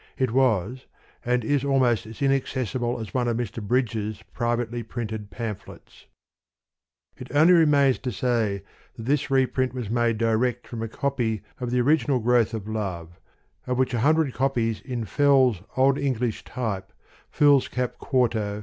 It was and is almost as inaccessible as one of Mr. Bridges' privately printed pamphlets. It only remains to say that this reprint is made direct from a copy of the original Growth of Love, of which 100 copies in Fell's Old English Type (Fcap 4to.)